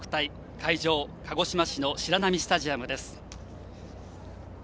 会場は鹿児島市の白波スタジアムです。